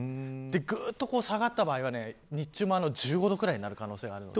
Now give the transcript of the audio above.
ぐっと下がった場合は、日中は１５度くらいになる可能性があります。